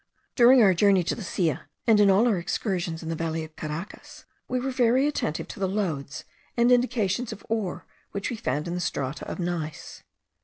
During our journey to the Silla, and in all our excursions in the valley of Caracas, we were very attentive to the lodes and indications of ore which we found in the strata of gneiss.